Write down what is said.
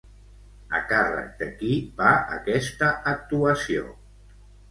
A càrrec de qui va aquesta actuació?